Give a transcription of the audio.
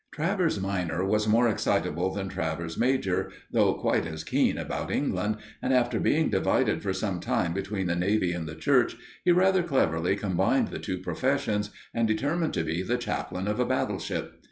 Travers minor was more excitable than Travers major, though quite as keen about England, and after being divided for some time between the Navy and the Church, he rather cleverly combined the two professions, and determined to be the chaplain of a battleship.